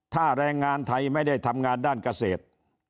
ถ้าแรงงานไทยไม่ได้ทำงานด้านเกษตร